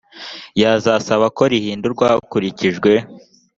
yazasaba ko rihindurwa hakurikijwe